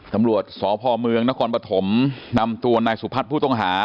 ตำรวจสพเมืองนครปฐมนำตัวนายสุพัฒน์ผู้ต้องหา